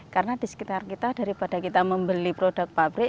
karena di sekitar kita daripada kita membeli produk pabrik